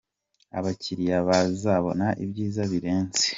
Abakiliya ba bazabona ibyiza birenze.